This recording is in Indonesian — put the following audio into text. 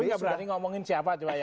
tapi nggak berani ngomongin siapa juga ya